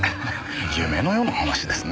夢のような話ですね。